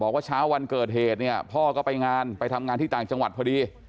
ว่าเช้าวันเกิดเหตุเนี่ยพ่อก็ไปงานไปทำงานที่ต่างจังหวัดพอดี